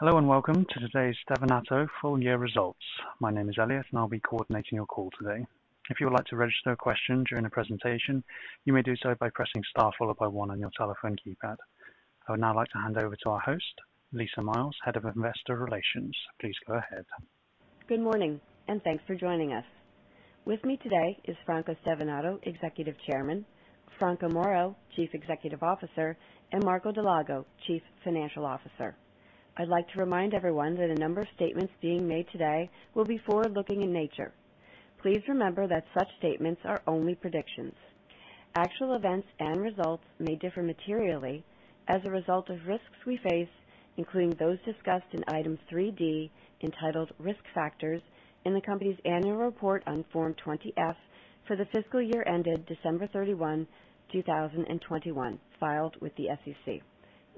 Hello and welcome to today's Stevanato full year results. My name is Elliot, and I'll be coordinating your call today. If you would like to register a question during the presentation, you may do so by pressing star followed by one on your telephone keypad. I would now like to hand over to our host, Lisa Miles, Head of Investor Relations. Please go ahead. Good morning, and thanks for joining us. With me today is Franco Stevanato, Executive Chairman, Franco Moro, Chief Executive Officer, and Marco Dal Lago, Chief Financial Officer. I'd like to remind everyone that a number of statements being made today will be forward-looking in nature. Please remember that such statements are only predictions. Actual events and results may differ materially as a result of risks we face, including those discussed in Item 3.D, entitled Risk Factors in the company's annual report on Form 20-F for the fiscal year ended December 31, 2021, filed with the SEC.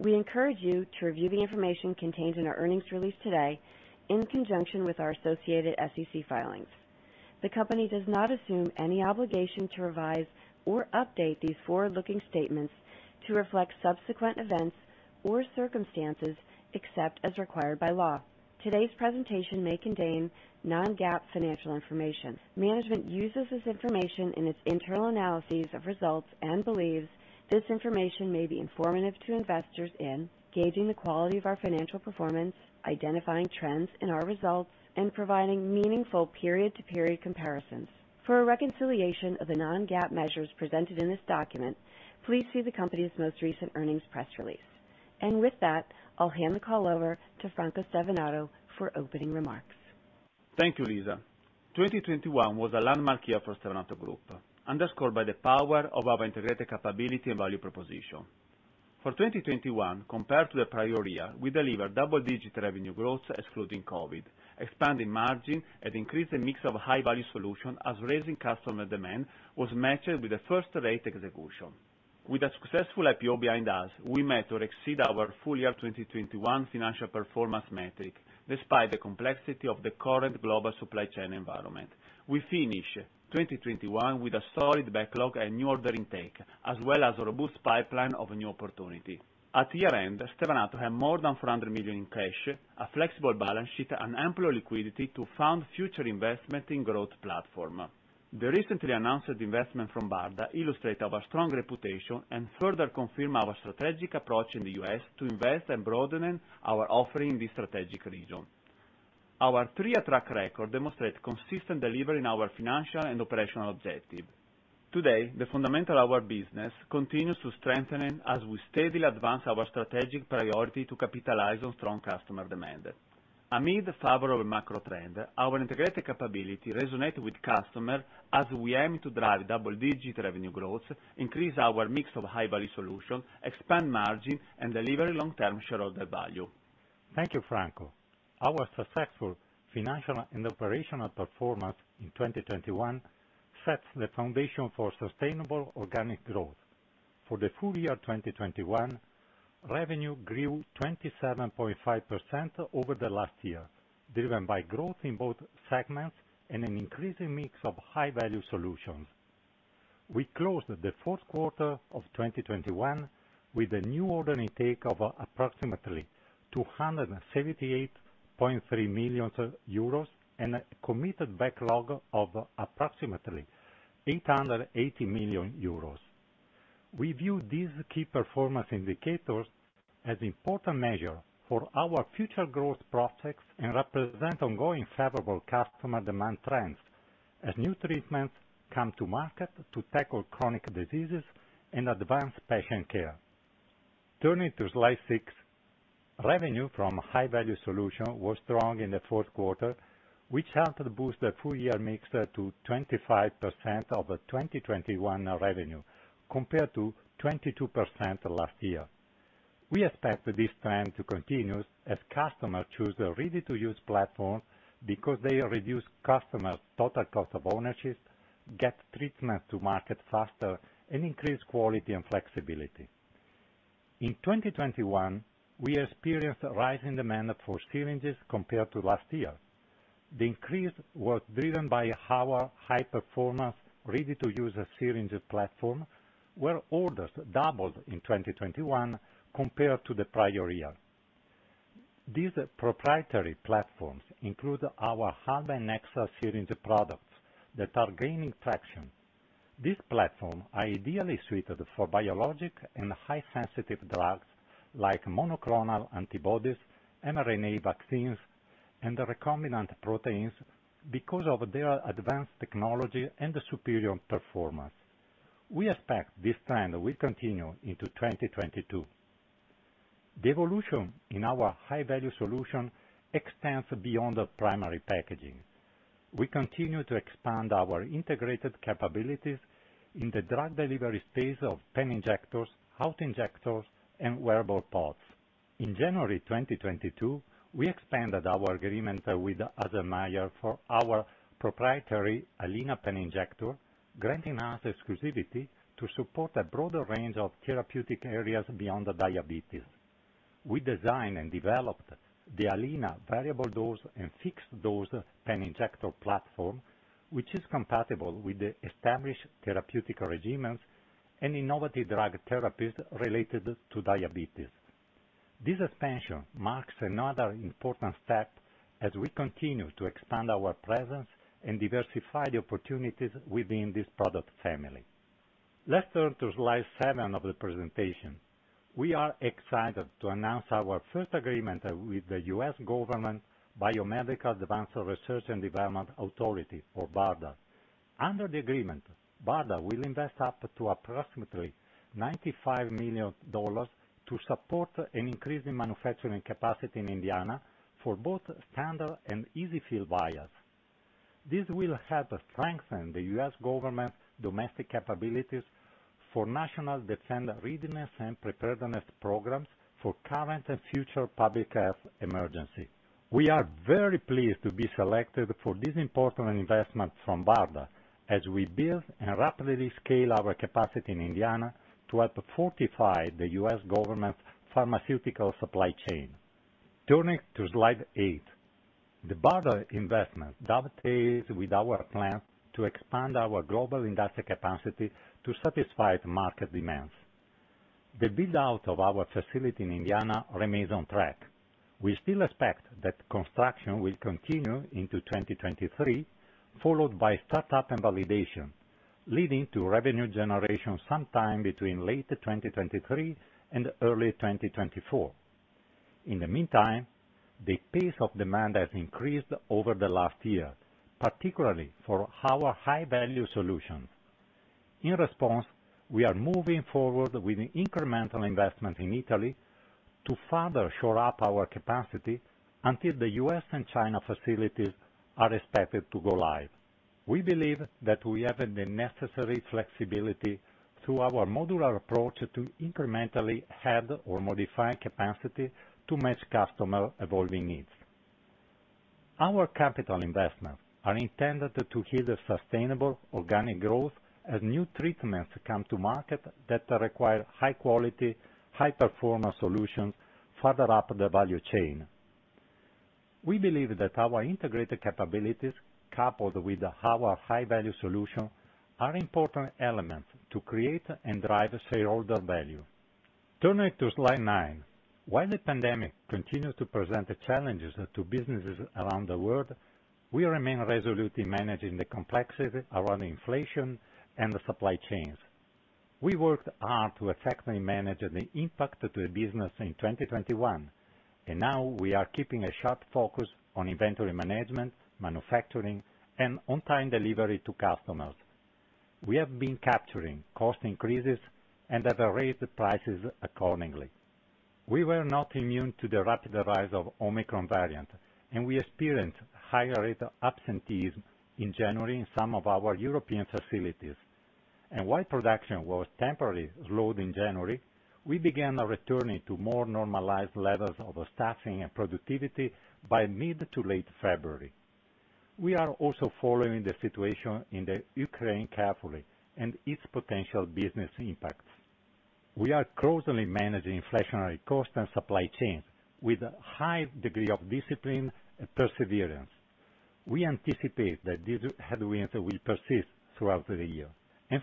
We encourage you to review the information contained in our earnings release today in conjunction with our associated SEC filings. The company does not assume any obligation to revise or update these forward-looking statements to reflect subsequent events or circumstances except as required by law. Today's presentation may contain non-GAAP financial information. Management uses this information in its internal analyses of results and believes this information may be informative to investors in gauging the quality of our financial performance, identifying trends in our results, and providing meaningful period-to-period comparisons. For a reconciliation of the non-GAAP measures presented in this document, please see the company's most recent earnings press release. With that, I'll hand the call over to Franco Stevanato for opening remarks. Thank you, Lisa. 2021 was a landmark year for Stevanato Group, underscored by the power of our integrated capability and value proposition. For 2021 compared to the prior year, we delivered double-digit revenue growth excluding COVID, expanding margin, and increased the mix of high-value solution as rising customer demand was matched with a first-rate execution. With a successful IPO behind us, we met or exceed our full year 2021 financial performance metric, despite the complexity of the current global supply chain environment. We finish 2021 with a solid backlog and new order intake, as well as a robust pipeline of new opportunities. At year-end, Stevanato had more than 400 million in cash, a flexible balance sheet, and ample liquidity to fund future investment in growth platform. The recently announced investment from BARDA illustrates our strong reputation and further confirms our strategic approach in the U.S. to invest and broaden our offering in this strategic region. Our strong track record demonstrates consistent delivery in our financial and operational objectives. Today, the fundamentals of our business continues to strengthen as we steadily advance our strategic priority to capitalize on strong customer demand. Amid favorable macro trends, our integrated capabilities resonate with customers as we aim to drive double-digit revenue growth, increase our mix of high-value solutions, expand margins, and deliver long-term shareholder value. Thank you, Franco. Our successful financial and operational performance in 2021 sets the foundation for sustainable organic growth. For the full year 2021, revenue grew 27.5% over the last year, driven by growth in both segments and an increasing mix of high-value solutions. We closed the fourth quarter of 2021 with a new order intake of approximately 278.3 million euros and a committed backlog of approximately 880 million euros. We view these key performance indicators as important measure for our future growth prospects and represent ongoing favorable customer demand trends as new treatments come to market to tackle chronic diseases and advance patient care. Turning to slide six. Revenue from high-value solution was strong in the fourth quarter, which helped boost the full year mix to 25% of the 2021 revenue compared to 22% last year. We expect this trend to continue as customers choose a ready-to-use platform because they reduce customers' total cost of ownership, get treatment to market faster, and increase quality and flexibility. In 2021, we experienced a rise in demand for syringes compared to last year. The increase was driven by our high performance, ready-to-use syringes platform, where orders doubled in 2021 compared to the prior year. These proprietary platforms include our Alba and Nexa syringe products that are gaining traction. This platform is ideally suited for biologics and highly sensitive drugs like monoclonal antibodies, mRNA vaccines, and recombinant proteins because of their advanced technology and superior performance. We expect this trend will continue into 2022. The evolution in our high-value solution extends beyond the primary packaging. We continue to expand our integrated capabilities in the drug delivery space of pen injectors, auto-injectors, and wearable pods. In January 2022, we expanded our agreement with Haselmeier for our proprietary Alina pen injector, granting us exclusivity to support a broader range of therapeutic areas beyond the diabetes. We designed and developed the Alina variable dose and fixed dose pen injector platform, which is compatible with the established therapeutic regimens and innovative drug therapies related to diabetes. This expansion marks another important step as we continue to expand our presence and diversify the opportunities within this product family. Let's turn to slide seven of the presentation. We are excited to announce our first agreement with the U.S. Government Biomedical Advanced Research and Development Authority, or BARDA. Under the agreement, BARDA will invest up to approximately $95 million to support an increase in manufacturing capacity in Indiana for both standard and EZ-fill® vials. This will help strengthen the U.S. government's domestic capabilities for national defense readiness and preparedness programs for current and future public health emergencies. We are very pleased to be selected for this important investment from BARDA as we build and rapidly scale our capacity in Indiana to help fortify the U.S. government's pharmaceutical supply chain. Turning to slide eight. The BARDA investment dovetails with our plans to expand our global industrial capacity to satisfy the market demands. The build-out of our facility in Indiana remains on track. We still expect that construction will continue into 2023, followed by startup and validation, leading to revenue generation sometime between late 2023 and early 2024. In the meantime, the pace of demand has increased over the last year, particularly for our high-value solutions. In response, we are moving forward with incremental investment in Italy to further shore up our capacity until the U.S. and China facilities are expected to go live. We believe that we have the necessary flexibility through our modular approach to incrementally add or modify capacity to match customer evolving needs. Our capital investments are intended to yield sustainable organic growth as new treatments come to market that require high quality, high performance solutions further up the value chain. We believe that our integrated capabilities, coupled with our high-value solution, are important elements to create and drive shareholder value. Turning to slide nine. While the pandemic continues to present challenges to businesses around the world, we remain resolute in managing the complexity around inflation and the supply chains. We worked hard to effectively manage the impact to the business in 2021, and now we are keeping a sharp focus on inventory management, manufacturing, and on-time delivery to customers. We have been capturing cost increases and have raised prices accordingly. We were not immune to the rapid rise of the Omicron variant, and we experienced higher-rate absenteeism in January in some of our European facilities. While production was temporarily slowed in January, we began returning to more normalized levels of staffing and productivity by mid to late February. We are also following the situation in Ukraine carefully and its potential business impacts. We are closely managing inflationary cost and supply chains with a high degree of discipline and perseverance. We anticipate that these headwinds will persist throughout the year.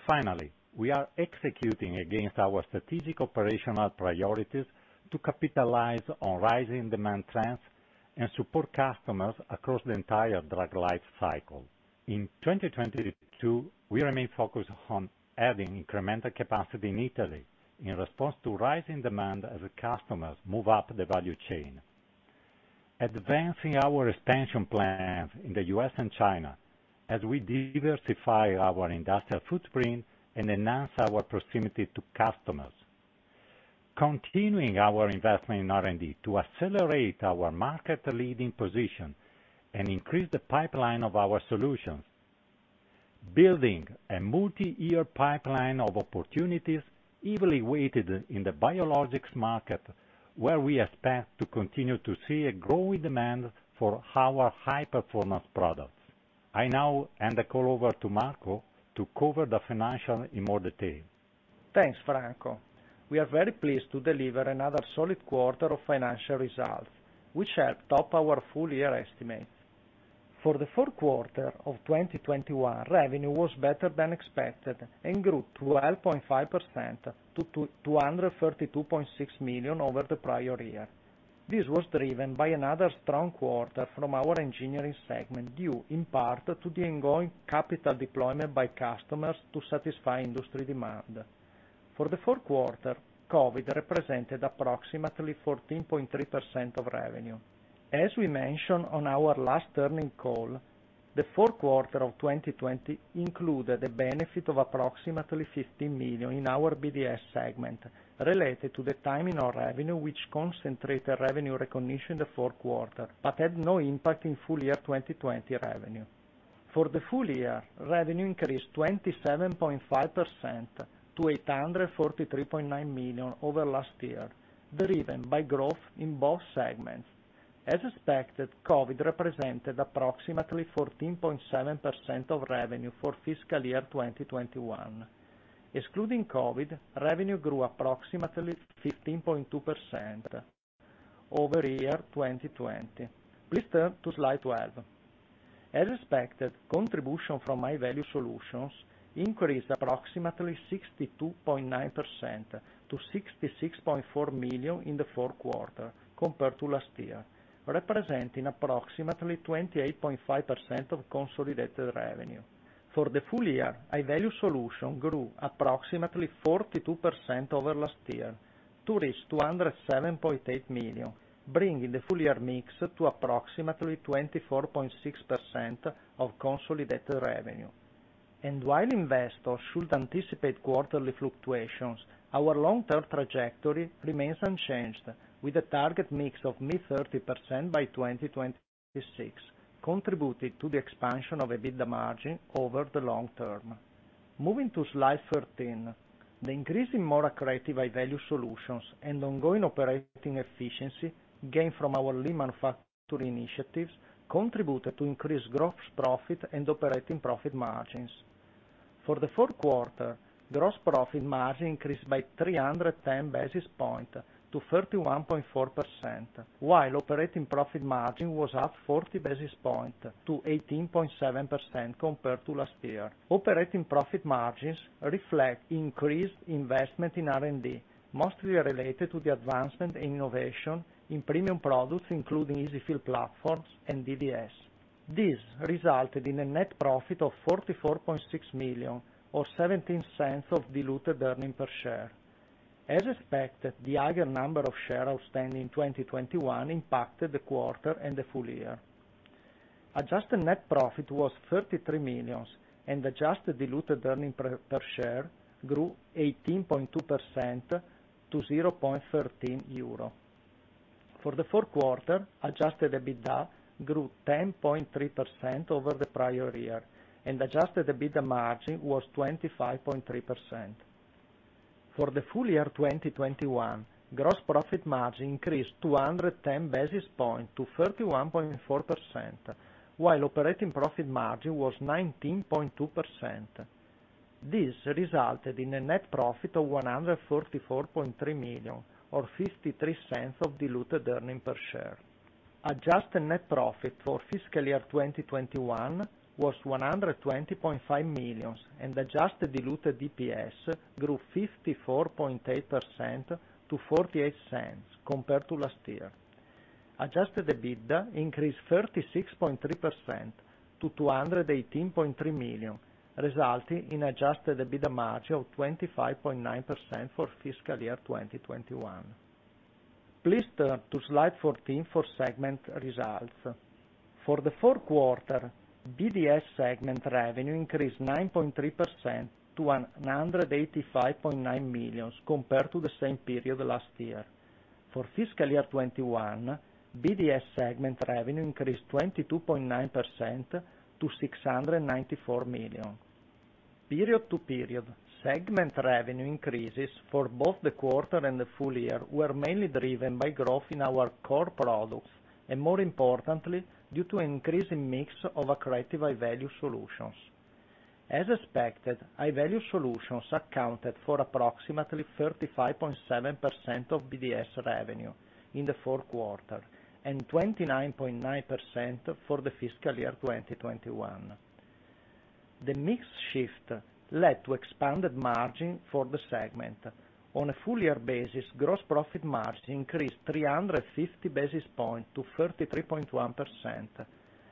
Finally, we are executing against our strategic operational priorities to capitalize on rising demand trends and support customers across the entire drug life cycle. In 2022, we remain focused on adding incremental capacity in Italy in response to rising demand as customers move up the value chain. Advancing our expansion plans in the U.S. and China as we diversify our industrial footprint and enhance our proximity to customers. Continuing our investment in R&D to accelerate our market-leading position and increase the pipeline of our solutions. Building a multi-year pipeline of opportunities evenly weighted in the biologics market, where we expect to continue to see a growing demand for our high-performance products. I now hand the call over to Marco to cover the financials in more detail. Thanks, Franco. We are very pleased to deliver another solid quarter of financial results, which helped top our full year estimates. For the fourth quarter of 2021, revenue was better than expected and grew 12.5% to 232.6 million over the prior year. This was driven by another strong quarter from our engineering segment, due in part to the ongoing capital deployment by customers to satisfy industry demand. For the fourth quarter, COVID represented approximately 14.3% of revenue. As we mentioned on our last earnings call, the fourth quarter of 2020 included the benefit of approximately 15 million in our BDS segment related to the timing of revenue, which concentrated revenue recognition in the fourth quarter, but had no impact in full year 2020 revenue. For the full year, revenue increased 27.5% to 843.9 million over last year, driven by growth in both segments. As expected, COVID represented approximately 14.7% of revenue for fiscal year 2021. Excluding COVID, revenue grew approximately 15.2% over year 2020. Please turn to slide 12. As expected, contribution from high-value solutions increased approximately 62.9% to 66.4 million in the fourth quarter compared to last year, representing approximately 28.5% of consolidated revenue. For the full year, high-value solutions grew approximately 42% over last year to reach 207.8 million, bringing the full year mix to approximately 24.6% of consolidated revenue. While investors should anticipate quarterly fluctuations, our long-term trajectory remains unchanged with a target mix of mid-30% by 2026, contributing to the expansion of EBITDA margin over the long term. Moving to slide 13, the increase in more accretive high-value solutions and ongoing operating efficiency gained from our lean manufacturing initiatives contributed to increased gross profit and operating profit margins. For the fourth quarter, gross profit margin increased by 310 basis points to 31.4%, while operating profit margin was up 40 basis points to 18.7% compared to last year. Operating profit margins reflect increased investment in R&D, mostly related to the advancement in innovation in premium products, including EZ-fill® platforms and BDS. This resulted in a net profit of 44.6 million, or 0.17 of diluted earnings per share. As expected, the higher number of shares outstanding in 2021 impacted the quarter and the full year. Adjusted net profit was 33 million, and adjusted diluted earnings per share grew 18.2% to 0.13 euro. For the fourth quarter, adjusted EBITDA grew 10.3% over the prior year, and adjusted EBITDA margin was 25.3%. For the full year 2021, gross profit margin increased 210 basis points to 31.4%, while operating profit margin was 19.2%. This resulted in a net profit of 144.3 million or 0.53 EUR diluted earnings per share. Adjusted net profit for fiscal year 2021 was 120.5 million, and adjusted diluted EPS grew 54.8% to 0.48 EUR compared to last year. Adjusted EBITDA increased 36.3% to 218.3 million, resulting in adjusted EBITDA margin of 25.9% for fiscal year 2021. Please turn to slide 14 for segment results. For the fourth quarter, BDS segment revenue increased 9.3% to 185.9 million compared to the same period last year. For fiscal year 2021, BDS segment revenue increased 22.9% to 694 million. Period to period, segment revenue increases for both the quarter and the full year were mainly driven by growth in our core products and more importantly, due to an increase in mix of accretive high-value solutions. As expected, high-value solutions accounted for approximately 35.7% of BDS revenue in the fourth quarter, and 29.9% for the fiscal year 2021. The mix shift led to expanded margin for the segment. On a full-year basis, gross profit margin increased 350 basis points to 33.1%,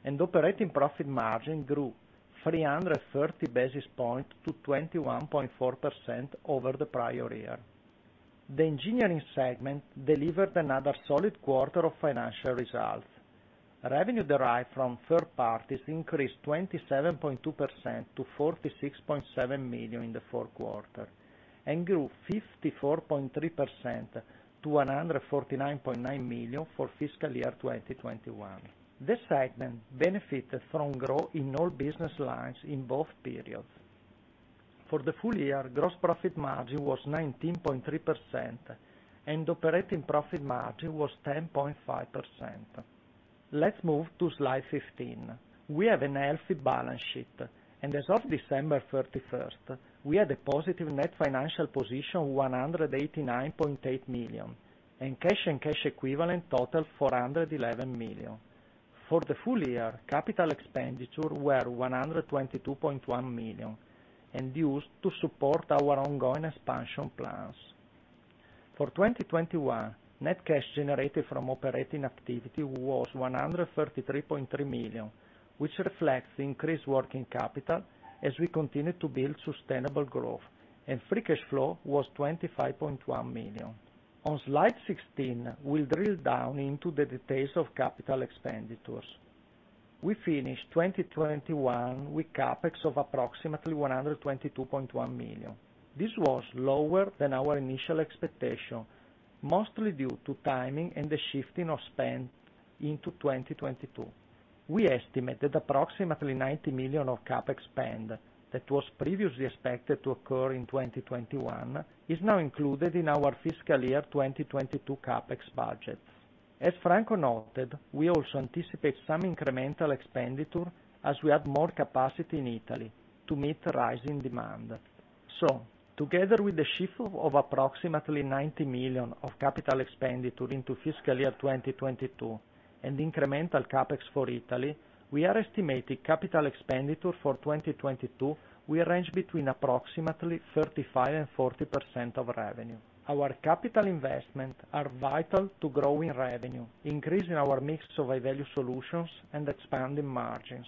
and operating profit margin grew 330 basis points to 21.4% over the prior year. The engineering segment delivered another solid quarter of financial results. Revenue derived from third parties increased 27.2% to 46.7 million in the fourth quarter and grew 54.3% to 149.9 million for fiscal year 2021. The segment benefited from growth in all business lines in both periods. For the full year, gross profit margin was 19.3% and operating profit margin was 10.5%. Let's move to slide 15. We have a healthy balance sheet, and as of December 31st, we had a positive net financial position of 189.8 million, and cash and cash equivalents totaled 411 million. For the full year, capital expenditure were 122.1 million and used to support our ongoing expansion plans. For 2021, net cash generated from operating activity was 133.3 million, which reflects the increased working capital as we continue to build sustainable growth, and free cash flow was 25.1 million. On slide 16, we'll drill down into the details of capital expenditures. We finished 2021 with CapEx of approximately 122.1 million. This was lower than our initial expectation, mostly due to timing and the shifting of spend into 2022. We estimate that approximately 90 million of CapEx spend that was previously expected to occur in 2021 is now included in our fiscal year 2022 CapEx budget. As Franco noted, we also anticipate some incremental expenditure as we add more capacity in Italy to meet the rising demand. Together with the shift of approximately 90 million of capital expenditure into fiscal year 2022 and incremental CapEx for Italy, we are estimating capital expenditure for 2022 will range between approximately 35%-40% of revenue. Our capital investment are vital to growing revenue, increasing our mix of high-value solutions and expanding margins,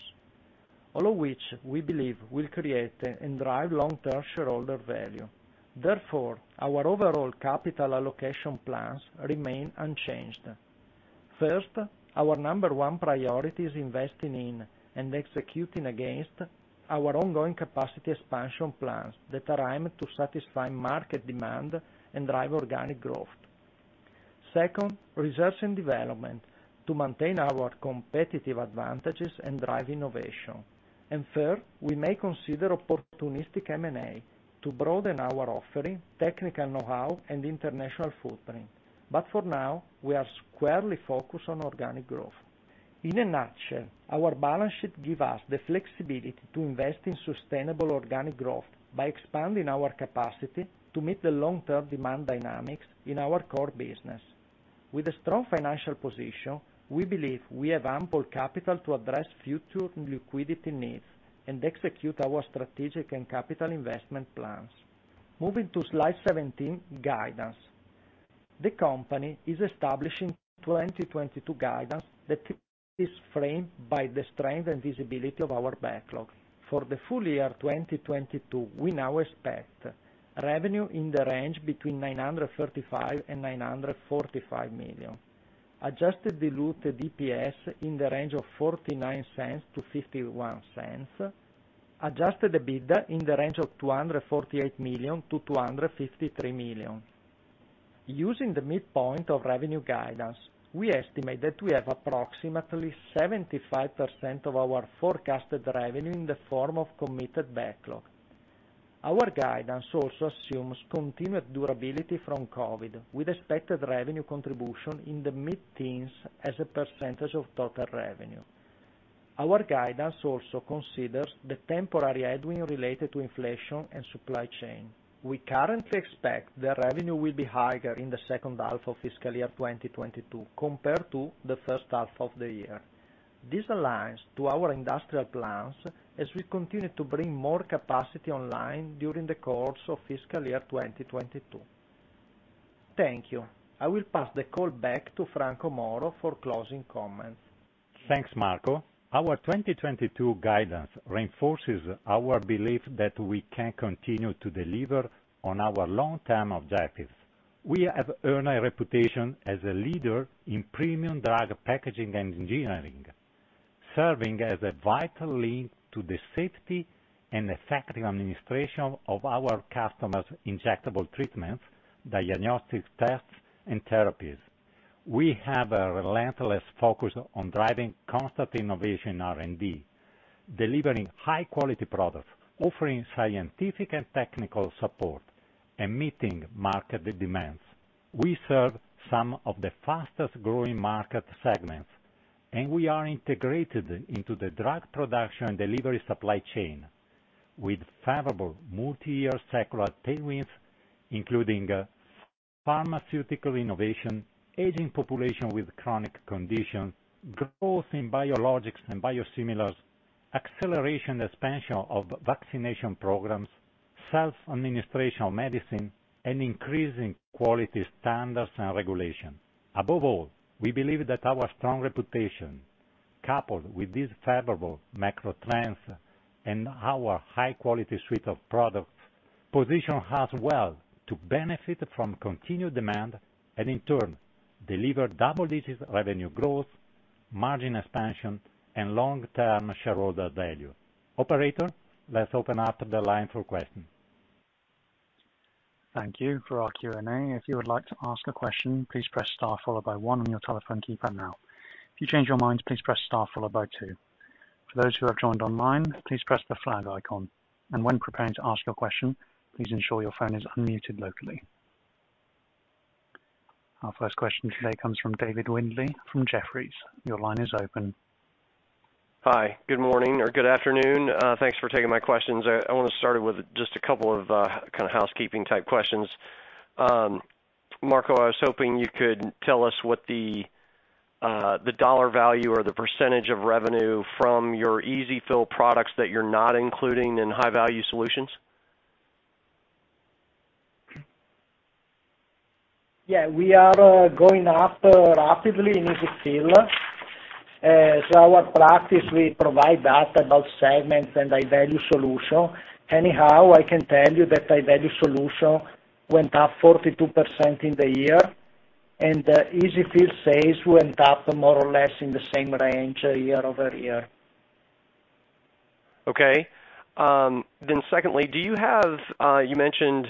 all of which we believe will create and drive long-term shareholder value. Therefore, our overall capital allocation plans remain unchanged. First, our number one priority is investing in and executing against our ongoing capacity expansion plans that are aimed to satisfy market demand and drive organic growth. Second, research and development to maintain our competitive advantages and drive innovation. Third, we may consider opportunistic M&A to broaden our offering, technical know-how, and international footprint. For now, we are squarely focused on organic growth. In a nutshell, our balance sheet gives us the flexibility to invest in sustainable organic growth by expanding our capacity to meet the long-term demand dynamics in our core business. With a strong financial position, we believe we have ample capital to address future liquidity needs and execute our strategic and capital investment plans. Moving to slide 17, guidance. The company is establishing 2022 guidance that is framed by the strength and visibility of our backlog. For the full year 2022, we now expect revenue in the range of 935 million-945 million. Adjusted diluted EPS in the range of 0.49-0.51. Adjusted EBITDA in the range of 248 million-253 million. Using the midpoint of revenue guidance, we estimate that we have approximately 75% of our forecasted revenue in the form of committed backlog. Our guidance also assumes continued durability from COVID, with expected revenue contribution in the mid-teens as a percentage of total revenue. Our guidance also considers the temporary headwind related to inflation and supply chain. We currently expect that revenue will be higher in the second half of fiscal year 2022 compared to the first half of the year. This aligns to our industrial plans as we continue to bring more capacity online during the course of fiscal year 2022. Thank you. I will pass the call back to Franco Moro for closing comments. Thanks, Marco. Our 2022 guidance reinforces our belief that we can continue to deliver on our long-term objectives. We have earned a reputation as a leader in premium drug packaging and engineering, serving as a vital link to the safety and effective administration of our customers' injectable treatments, diagnostic tests, and therapies. We have a relentless focus on driving constant innovation in R&D, delivering high quality products, offering scientific and technical support, and meeting market demands. We serve some of the fastest growing market segments, and we are integrated into the drug production and delivery supply chain with favorable multiyear secular tailwinds, including pharmaceutical innovation, aging population with chronic conditions, growth in biologics and biosimilars, acceleration and expansion of vaccination programs, self-administration medicine, and increasing quality standards and regulation. Above all, we believe that our strong reputation, coupled with these favorable macro trends and our high-quality suite of products, position us well to benefit from continued demand and, in turn, deliver double-digit revenue growth, margin expansion, and long-term shareholder value. Operator, let's open up the line for questions. Thank you. For our Q&A, if you would like to ask a question, please press star followed by one on your telephone keypad now. If you change your mind, please press star followed by two. For those who have joined online, please press the flag icon. When preparing to ask your question, please ensure your phone is unmuted locally. Our first question today comes from David Windley from Jefferies. Your line is open. Hi. Good morning or good afternoon. Thanks for taking my questions. I wanna start with just a couple of kind of housekeeping type questions. Marco, I was hoping you could tell us what the dollar value or the percentage of revenue from your EZ-fill products that you're not including in high-value solutions. Yeah. We are going up rapidly in EZ-fill®. So our practice, we provide data about segments and high-value solution. Anyhow, I can tell you that high-value solution went up 42% in the year, and EZ-fill® sales went up more or less in the same range year-over-year. Okay. Secondly, do you have, you mentioned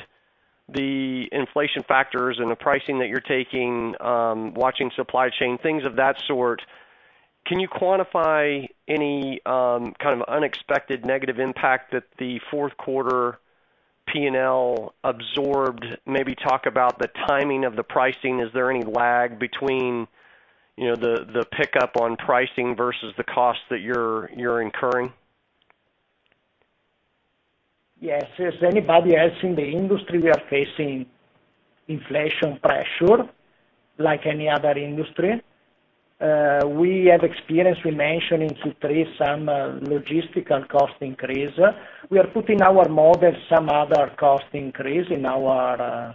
the inflation factors and the pricing that you're taking, watching supply chain, things of that sort. Can you quantify any kind of unexpected negative impact that the fourth quarter P&L absorbed? Maybe talk about the timing of the pricing. Is there any lag between, you know, the pickup on pricing versus the cost that you're incurring? Yes. As anybody else in the industry, we are facing inflation pressure like any other industry. We have experienced, we mentioned in Q3 some logistical cost increase. We are putting our model some other cost increase in our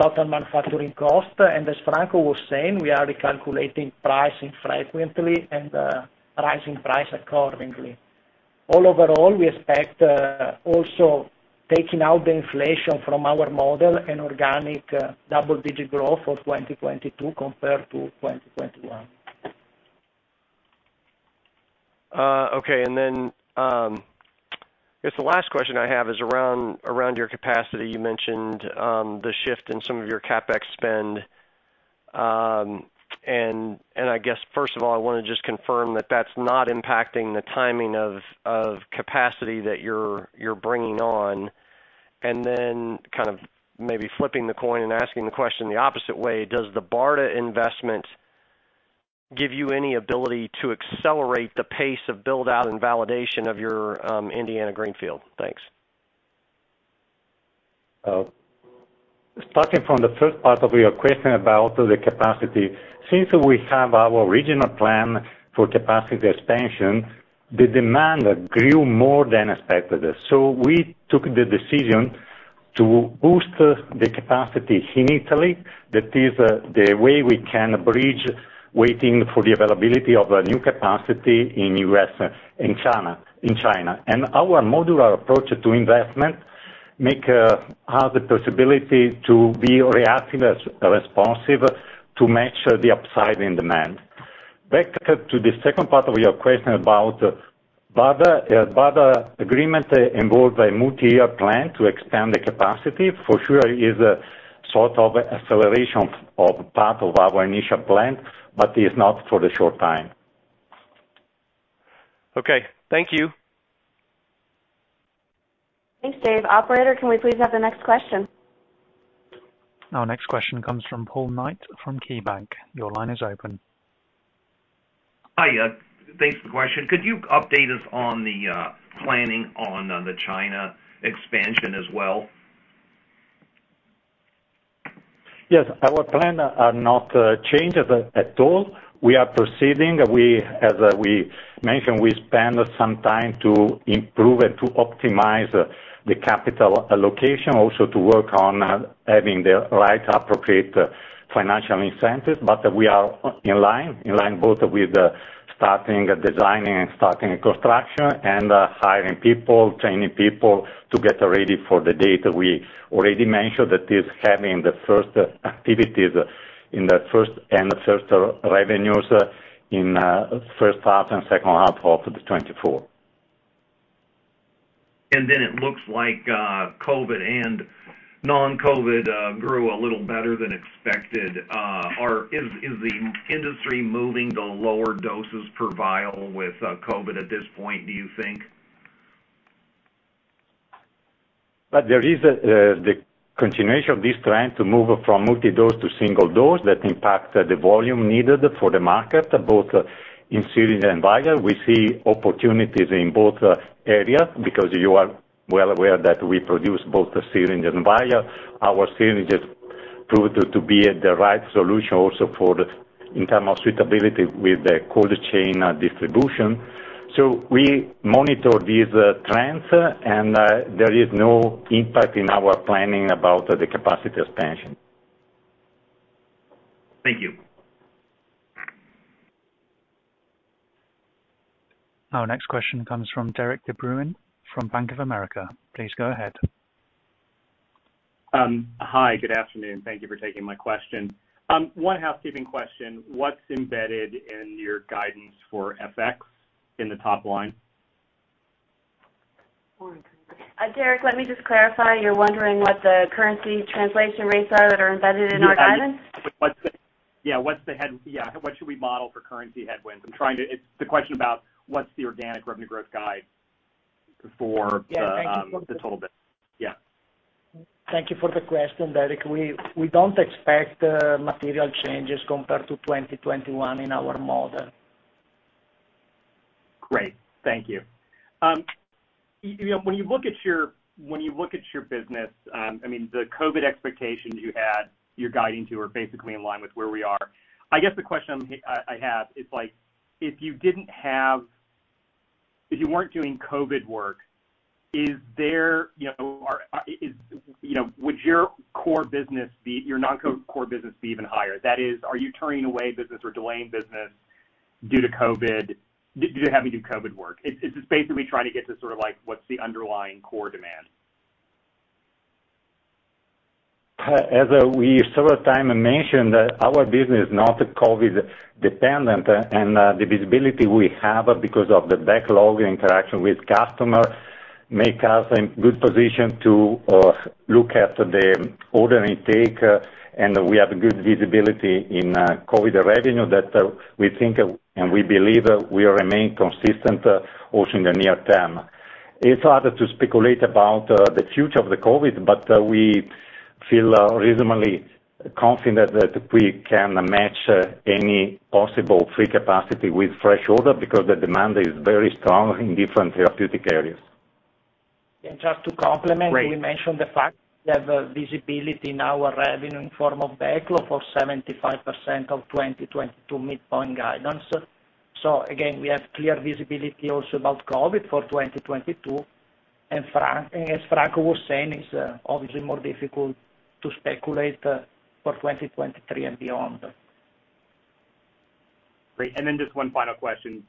total manufacturing cost. As Franco was saying, we are recalculating pricing frequently and rising price accordingly. Overall, we expect also taking out the inflation from our model an organic double-digit growth for 2022 compared to 2021. Okay. Then I guess the last question I have is around your capacity. You mentioned the shift in some of your CapEx spend. I guess, first of all, I want to just confirm that that's not impacting the timing of capacity that you're bringing on. Then kind of maybe flipping the coin and asking the question the opposite way, does the BARDA investment give you any ability to accelerate the pace of build-out and validation of your Indiana greenfield? Thanks. Starting from the first part of your question about the capacity. Since we have our regional plan for capacity expansion, the demand grew more than expected. We took the decision to boost the capacity in Italy. That is the way we can bridge waiting for the availability of a new capacity in U.S., in China. Our modular approach to investment makes has the possibility to be reactive and responsive to match the upside in demand. Back to the second part of your question about BARDA. BARDA agreement involved a multi-year plan to expand the capacity. For sure is a sort of acceleration of part of our initial plan, but is not for the short time. Okay. Thank you. Thanks, David. Operator, can we please have the next question? Our next question comes from Paul Knight from KeyBanc. Your line is open. Hi. Thanks for the question. Could you update us on the planning on the China expansion as well? Yes. Our plan are not changed at all. We are proceeding. As we mentioned, we spend some time to improve and to optimize the capital allocation, also to work on having the right appropriate financial incentives. We are in line both with starting designing and starting construction and hiring people, training people to get ready for the date. We already mentioned that is having the first activities and the first revenues in first half and second half of 2024. It looks like COVID and non-COVID grew a little better than expected. Is the industry moving to lower doses per vial with COVID at this point, do you think? There is the continuation of this trend to move from multi-dose to single dose that impact the volume needed for the market, both in syringe and vial. We see opportunities in both areas because you are well aware that we produce both syringe and vial. Our syringes proved to be the right solution also in terms of suitability with the cold chain distribution. We monitor these trends, and there is no impact in our planning about the capacity expansion. Thank you. Our next question comes from Derik De Bruin, from Bank of America. Please go ahead. Hi, good afternoon. Thank you for taking my question. One housekeeping question. What's embedded in your guidance for FX in the top line? Derik, let me just clarify. You're wondering what the currency translation rates are that are embedded in our guidance? What should we model for currency headwinds? It's the question about what's the organic revenue growth guide for the total business. Thank you for the question, Derik. We don't expect material changes compared to 2021 in our model. Great. Thank you. You know, when you look at your business, I mean, the COVID expectations you had, you're guiding to are basically in line with where we are. I guess the question I have is like, if you weren't doing COVID work, is there, would your core business be your non-COVID core business even higher? That is, are you turning away business or delaying business due to COVID, due to having to do COVID work? It's basically trying to get to sort of like what's the underlying core demand. As we several times mentioned, our business is not COVID dependent. The visibility we have because of the backlog interaction with customers make us in good position to look at the order intake. We have good visibility in COVID revenue that we think and we believe we remain consistent also in the near term. It's hard to speculate about the future of the COVID, but we feel reasonably confident that we can match any possible free capacity with fresh order because the demand is very strong in different therapeutic areas. Just to complement, we mentioned the fact that the visibility into our revenue in the form of backlog for 75% of 2022 midpoint guidance. We have clear visibility also about COVID for 2022. As Franco was saying, it's obviously more difficult to speculate for 2023 and beyond. Great. Just one final question.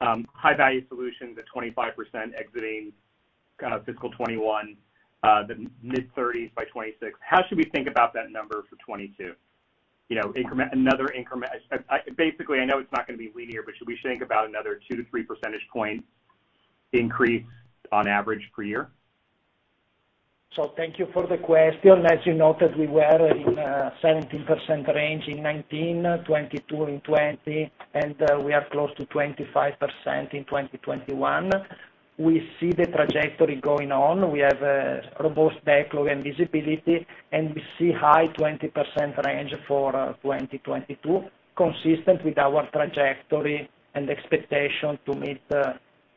High-value solutions at 25% exiting kind of fiscal 2021, the mid-30s by 2026. How should we think about that number for 2022? You know, another increment. Basically, I know it's not gonna be linear, but should we think about another 2-3 percentage point increase on average per year? Thank you for the question. As you noted, we were in 17% range in 2019, 2020, and we are close to 25% in 2021. We see the trajectory going on. We have a robust backlog and visibility, and we see high 20% range for 2022, consistent with our trajectory and expectation to meet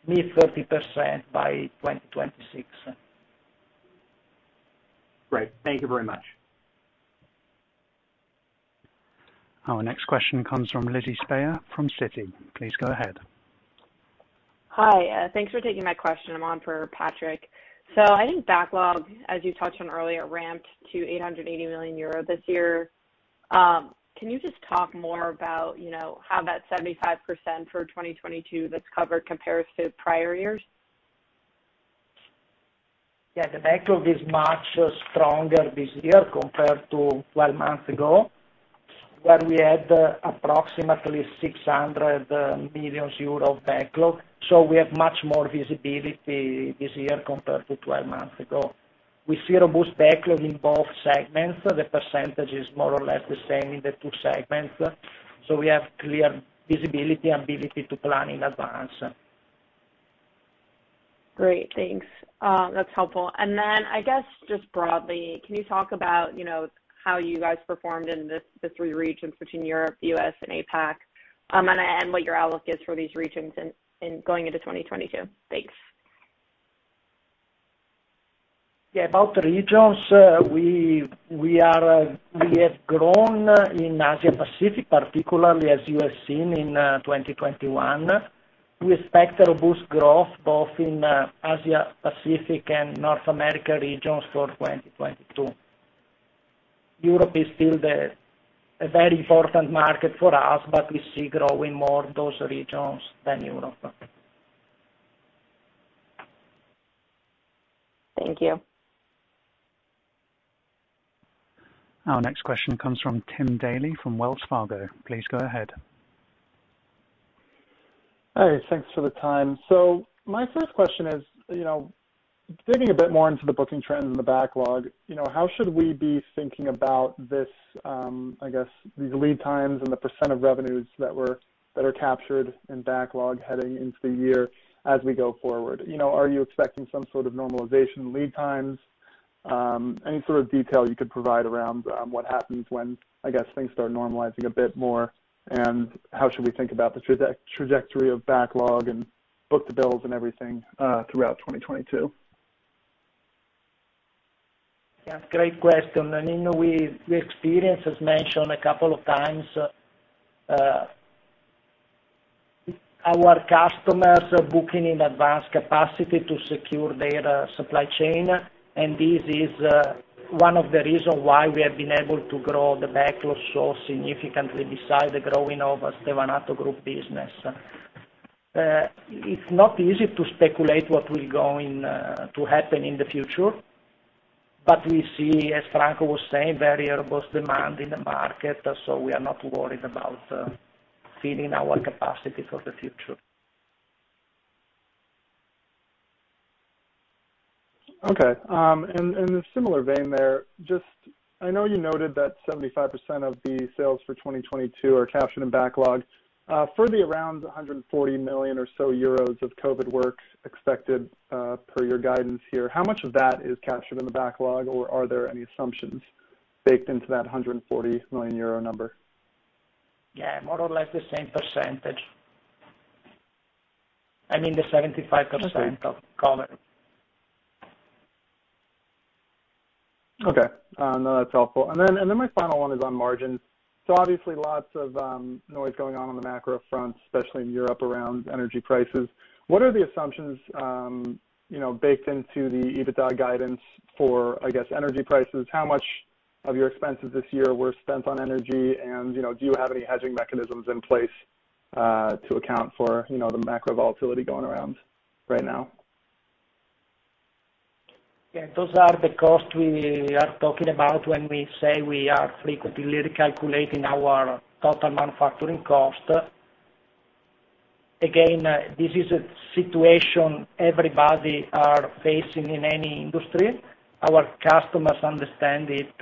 mid-30% by 2026. Great. Thank you very much. Our next question comes from Lizzie Speyer from Citi. Please go ahead. Hi, thanks for taking my question. I'm on for Patrick. I think backlog, as you touched on earlier, ramped to 880 million euro this year. Can you just talk more about, you know, how that 75% for 2022 that's covered compares to prior years? Yeah, the backlog is much stronger this year compared to 12 months ago, where we had approximately 600 million euros backlog. We have much more visibility this year compared to 12 months ago. We see robust backlog in both segments. The percentage is more or less the same in the two segments. We have clear visibility and ability to plan in advance. Great. Thanks. That's helpful. Then I guess just broadly, can you talk about, you know, how you guys performed in the three regions between Europe, U.S. and APAC, and what your outlook is for these regions in going into 2022? Thanks. Yeah, about the regions, we have grown in Asia Pacific, particularly as you have seen in 2021. We expect robust growth both in Asia Pacific and North America regions for 2022. Europe is still a very important market for us, but we see growing more those regions than Europe. Thank you. Our next question comes from Tim Daly from Wells Fargo. Please go ahead. Hi, thanks for the time. My first question is, you know, digging a bit more into the booking trends and the backlog, you know, how should we be thinking about this, I guess, the lead times and the percent of revenues that are captured in backlog heading into the year as we go forward? You know, are you expecting some sort of normalization in lead times? Any sort of detail you could provide around, what happens when, I guess, things start normalizing a bit more? How should we think about the trajectory of backlog and book-to-bills and everything throughout 2022? Yeah, great question. I mean, we experienced, as mentioned a couple of times, our customers are booking in advance capacity to secure their supply chain. This is one of the reasons why we have been able to grow the backlog so significantly besides the growing of Stevanato Group business. It's not easy to speculate what's going to happen in the future, but we see, as Franco was saying, very robust demand in the market, so we are not worried about filling our capacity for the future. Okay. And in a similar vein there, just I know you noted that 75% of the sales for 2022 are captured in backlog. For the around 140 million or so euros of COVID work expected, per your guidance here, how much of that is captured in the backlog, or are there any assumptions baked into that 140 million euro number? Yeah, more or less the same percentage. I mean, the 75% of COVID. Okay. No, that's helpful. Then my final one is on margins. Obviously lots of noise going on on the macro front, especially in Europe around energy prices. What are the assumptions, you know, baked into the EBITDA guidance for, I guess, energy prices? How much of your expenses this year were spent on energy? And, you know, do you have any hedging mechanisms in place to account for, you know, the macro volatility going around right now? Yeah, those are the costs we are talking about when we say we are frequently recalculating our total manufacturing cost. Again, this is a situation everybody are facing in any industry. Our customers understand it.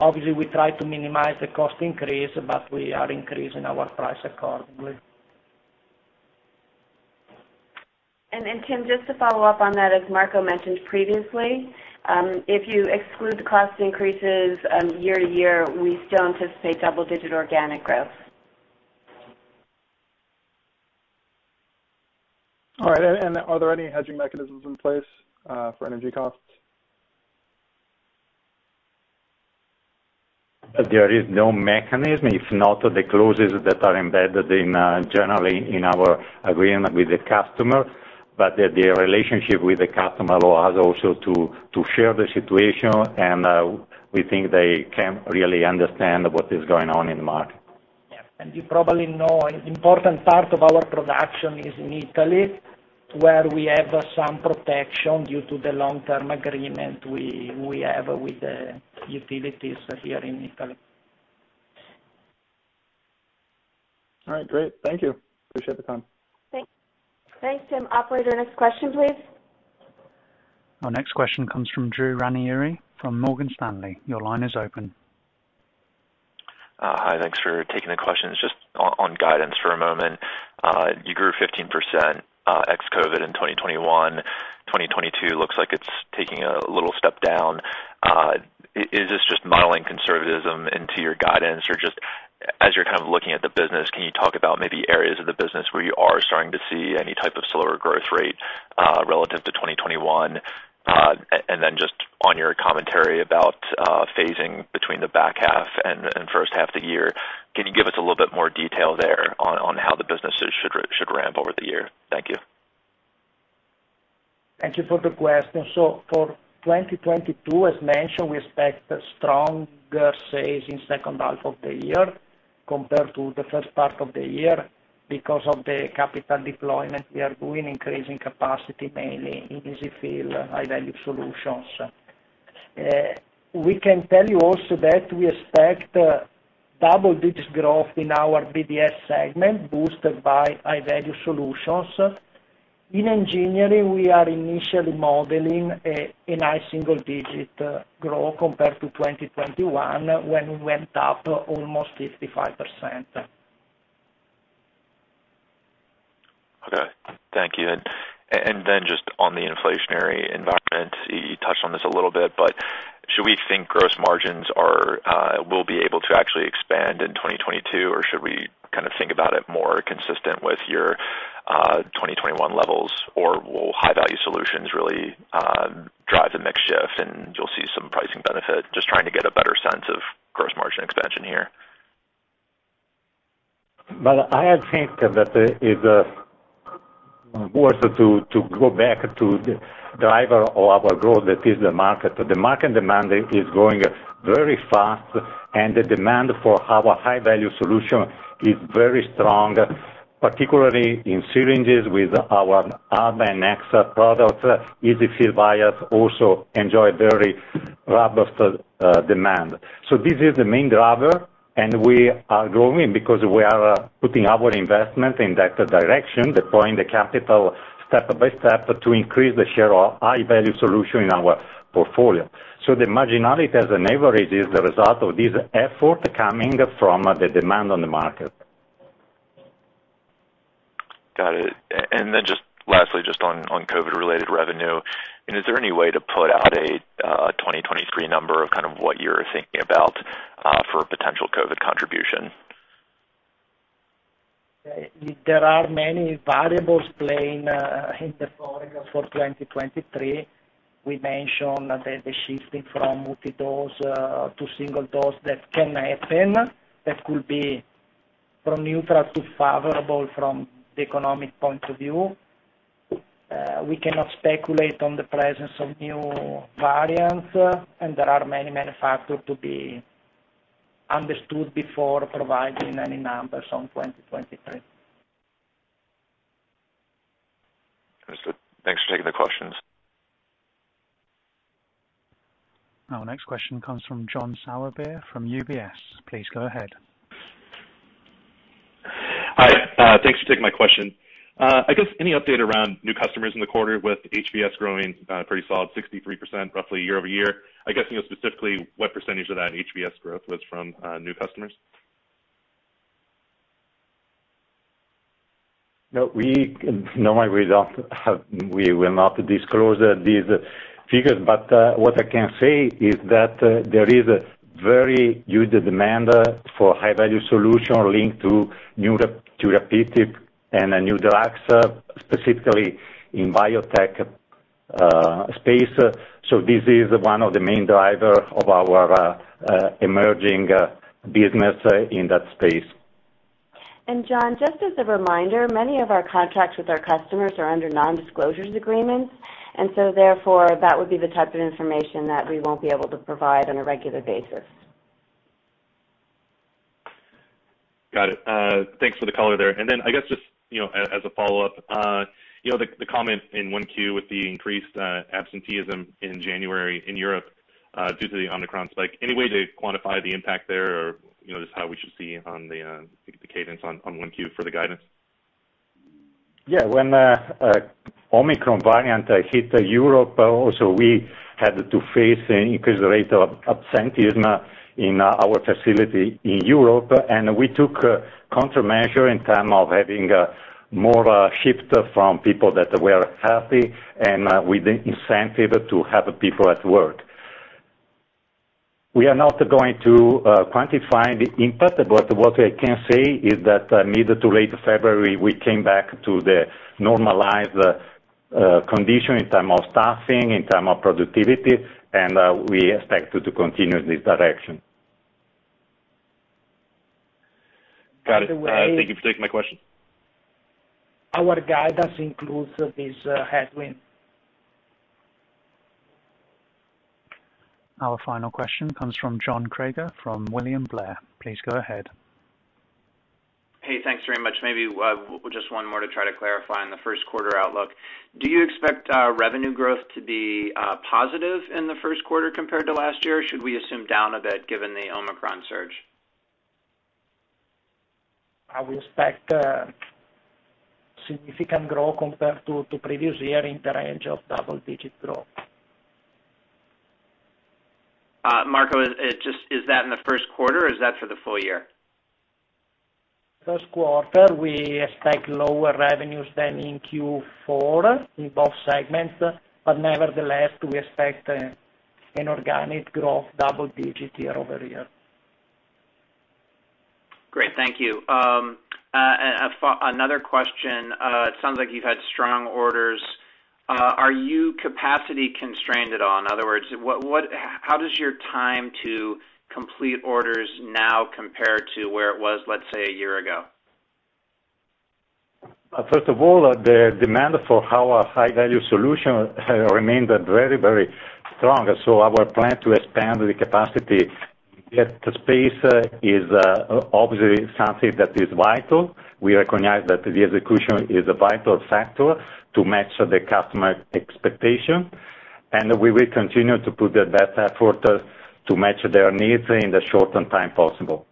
Obviously, we try to minimize the cost increase, but we are increasing our price accordingly. Tim, just to follow up on that, as Marco mentioned previously, if you exclude the cost increases, year to year, we still anticipate double digit organic growth. All right. Are there any hedging mechanisms in place for energy costs? There is no mechanism. It's not the clauses that are embedded in, generally in our agreement with the customer, but the relationship with the customer allows also to share the situation. We think they can really understand what is going on in the market. Yeah. You probably know an important part of our production is in Italy, where we have some protection due to the long-term agreement we have with the utilities here in Italy. All right, great. Thank you. Appreciate the time. Thanks. Thanks, Tim. Operator, next question, please. Our next question comes from Drew Ranieri from Morgan Stanley. Your line is open. Hi. Thanks for taking the questions. Just on guidance for a moment. You grew 15% ex-COVID in 2021. 2022 looks like it's taking a little step down. Is this just modeling conservatism into your guidance? Or just as you're kind of looking at the business, can you talk about maybe areas of the business where you are starting to see any type of slower growth rate relative to 2021? Just on your commentary about phasing between the back half and first half of the year, can you give us a little bit more detail there on how the businesses should ramp over the year? Thank you. Thank you for the question. For 2022, as mentioned, we expect stronger sales in second half of the year compared to the first part of the year because of the capital deployment we are doing, increasing capacity mainly in EZ-fill® high-value solutions. We can tell you also that we expect double-digit growth in our BDS segment boosted by high-value solutions. In engineering, we are initially modeling a high single-digit growth compared to 2021 when we went up almost 55%. Okay, thank you. Then just on the inflationary environment, you touched on this a little bit, but should we think gross margins will be able to actually expand in 2022, or should we kind of think about it more consistent with your 2021 levels? Or will high-value solutions really drive the mix shift and you'll see some pricing benefit? Just trying to get a better sense of gross margin expansion here. Well, I think that it's worth to go back to the driver of our growth that is the market. The market demand is growing very fast, and the demand for our high-value solution is very strong, particularly in syringes with our Alba® and Nexa® products. EZ-fill® vials also enjoy very robust demand. This is the main driver, and we are growing because we are putting our investment in that direction, deploying the capital step by step to increase the share of high-value solution in our portfolio. The marginality as an average is the result of this effort coming from the demand on the market. Got it. And then just lastly, on COVID-related revenue, I mean, is there any way to put out a 2023 number or kind of what you're thinking about for potential COVID contribution? There are many variables playing in the forecast for 2023. We mentioned the shifting from multi-dose to single-dose that can happen that could be from neutral to favorable from the economic point of view. We cannot speculate on the presence of new variants, and there are many, many factors to be understood before providing any numbers on 2023. Understood. Thanks for taking the questions. Our next question comes from John Sourbeer from UBS. Please go ahead. Hi. Thanks for taking my question. I guess any update around new customers in the quarter with HVS growing pretty solid 63% roughly year-over-year? I guess, you know, specifically what percentage of that HVS growth was from new customers? No, we will not disclose these figures. What I can say is that there is a very huge demand for high-value solution linked to new therapeutic and new drugs, specifically in biotech space. This is one of the main driver of our emerging business in that space. John, just as a reminder, many of our contracts with our customers are under non-disclosure agreements. Therefore, that would be the type of information that we won't be able to provide on a regular basis. Got it. Thanks for the color there. I guess just as a follow-up, the comment in 1Q with the increased absenteeism in January in Europe due to the Omicron spike, any way to quantify the impact there or just how we should see on the cadence on 1Q for the guidance? Yeah. When Omicron variant hit Europe also, we had to face an increased rate of absenteeism in our facility in Europe, and we took countermeasures in terms of having more shifts from people that were healthy, and with the incentive to have people at work. We are not going to quantify the impact. What I can say is that mid to late February, we came back to the normalized condition in terms of staffing, in terms of productivity, and we expect to continue this direction. Got it. By the way. Thank you for taking my question. Our guidance includes this, headwind. Our final question comes from John Kreger from William Blair. Please go ahead. Hey, thanks very much. Maybe just one more to try to clarify on the first quarter outlook. Do you expect revenue growth to be positive in the first quarter compared to last year? Should we assume down a bit given the Omicron surge? I will expect significant growth compared to previous year in the range of double-digit growth. Marco, is just that in the first quarter or is that for the full year? First quarter, we expect lower revenues than in Q4 in both segments. Nevertheless, we expect an organic growth double-digit year-over-year. Great. Thank you. Another question. It sounds like you've had strong orders. Are you capacity constrained at all? In other words, how does your time to complete orders now compare to where it was, let's say, a year ago? First of all, the demand for our high-value solution had remained very, very strong. Our plan to expand the capacity at scale is obviously something that is vital. We recognize that the execution is a vital factor to match the customer expectation, and we will continue to put our best effort to match their needs in the shortest time possible.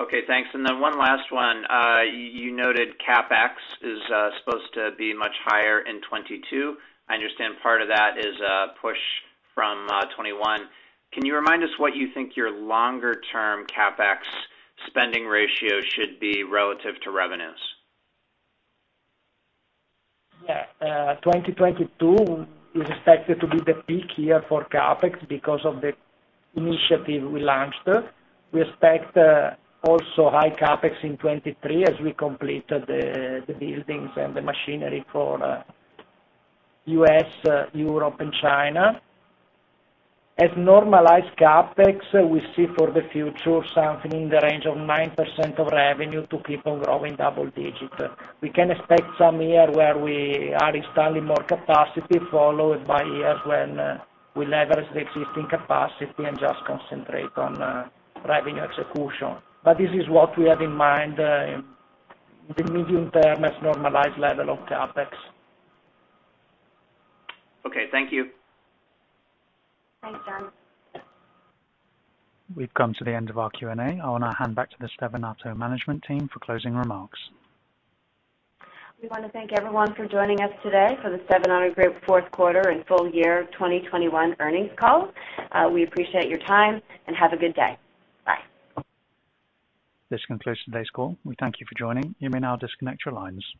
Okay, thanks. One last one. You noted CapEx is supposed to be much higher in 2022. I understand part of that is a push from 2021. Can you remind us what you think your longer term CapEx spending ratio should be relative to revenues? Yeah. 2022 is expected to be the peak year for CapEx because of the initiative we launched. We expect also high CapEx in 2023 as we complete the buildings and the machinery for U.S., Europe and China. As normalized CapEx, we see for the future something in the range of 9% of revenue to keep on growing double digit. We can expect some year where we are installing more capacity, followed by years when we leverage the existing capacity and just concentrate on revenue execution. This is what we have in mind in the medium term as normalized level of CapEx. Okay, thank you. Thanks, John. We've come to the end of our Q&A. I wanna hand back to the Stevanato management team for closing remarks. We wanna thank everyone for joining us today for the Stevanato Group fourth quarter and full year 2021 earnings call. We appreciate your time, and have a good day. Bye. This concludes today's call. We thank you for joining. You may now disconnect your lines.